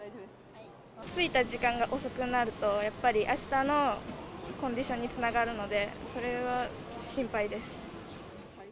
ついた時間が遅くなると、やっぱりあしたのコンディションにつながるので、それは心配です。